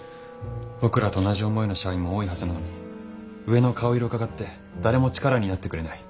僕らと同じ思いの社員も多いはずなのに上の顔色うかがって誰も力になってくれない。